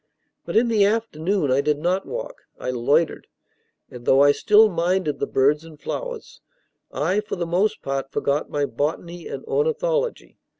But in the afternoon I did not walk, I loitered; and though I still minded the birds and flowers, I for the most part forgot my botany and ornithology.